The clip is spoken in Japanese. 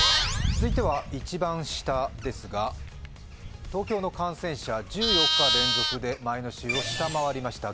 続いては一番下ですが東京の感染者１４日連続で前の週を下回りました。